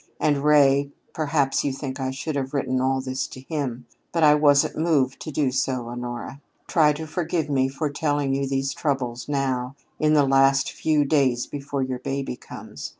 And Ray perhaps you think I should have written all this to him. But I wasn't moved to do so, Honora. Try to forgive me for telling you these troubles now in the last few days before your baby comes.